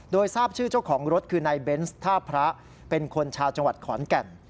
โดยทราบชื่อเจ้าของรถคือนายเบนส์ท่าพระเป็นคนชาวจังหวัดขอนแก่น